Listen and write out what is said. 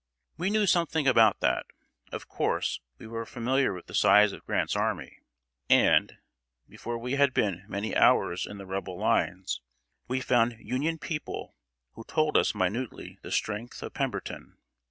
We knew something about that! Of course, we were familiar with the size of Grant's army; and, before we had been many hours in the Rebel lines, we found Union people who told us minutely the strength of Pemberton.